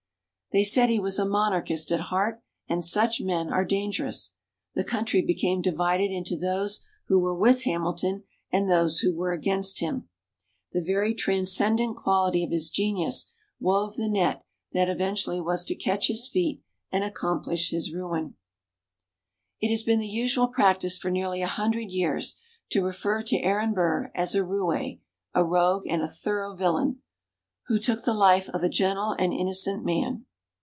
They said he was a monarchist at heart and "such men are dangerous." The country became divided into those who were with Hamilton and those who were against him. The very transcendent quality of his genius wove the net that eventually was to catch his feet and accomplish his ruin. It has been the usual practise for nearly a hundred years to refer to Aaron Burr as a roue, a rogue and a thorough villain, who took the life of a gentle and innocent man.